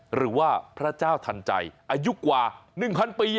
หรือว่าพระเจ้าทันใจอายุกว่า๑๐๐ปี